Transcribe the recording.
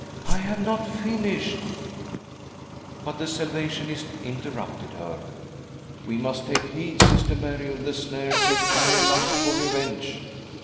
" I have not finished " But the Salvationist interrupted her. " We must take heed, Sister Mary, of the snare set by a lust for revenge.